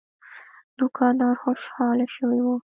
دوکاندار خوشاله شوی و.